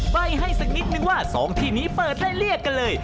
ไปให้สักนิดนึงว่า๒ที่นี้เปิดให้เรียกกันเลย